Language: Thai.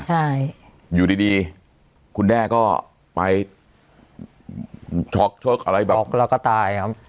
ใช่อยู่ดีดีคุณแด้ก็ไปช็อกชกอะไรแบบช็อกแล้วก็ตายครับ